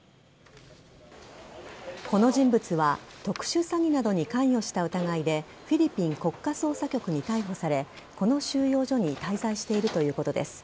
この人物は特殊詐欺などに関与した疑いでフィリピン国家捜査局に逮捕されこの収容所に滞在しているということです。